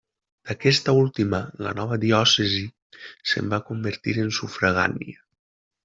D'aquesta última la nova diòcesi se'n va convertir en sufragània.